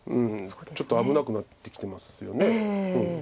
ちょっと危なくなってきてますよね。